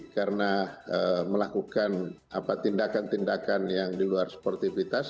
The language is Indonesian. karena melakukan tindakan tindakan yang di luar sportivitas